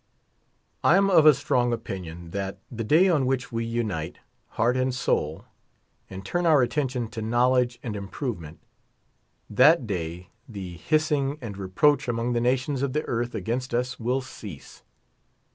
^■* I am of a strong opinion, that the day on which we unite, heart and soul, and turn our attention to knowl edge and improvement, that day the hissing and reproach among the nations of the earth against us will cease.